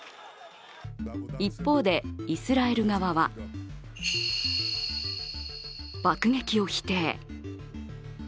一方で、イスラエル側は爆撃を否定。